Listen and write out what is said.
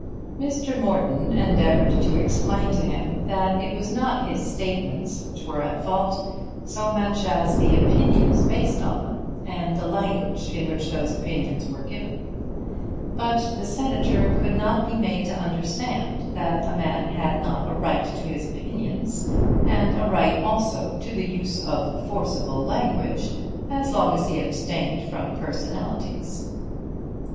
Mr. Morton endeavoured to explain to him that it was not his statements which were at fault so much as the opinions based on them and the language in which those opinions were given. But the Senator could not be made to understand that a man had not a right to his opinions, and a right also to the use of forcible language as long as he abstained from personalities.